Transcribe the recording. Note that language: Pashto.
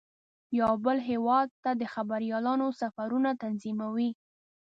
یو بل هیواد ته د خبریالانو سفرونه تنظیموي.